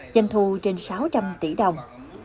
doanh thu trên sáu trăm linh tỷ đồng